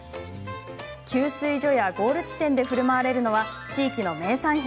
給水所やゴール地点でふるまわれるのは地域の名産品。